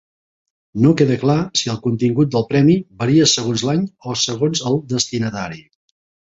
No queda clar si el contingut del premi varia segons l'any o segons el destinatari.